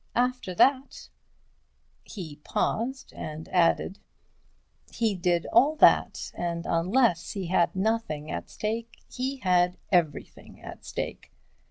After that—" He paused, and added: "He did all that, and unless he had nothing at stake, he had everything at stake.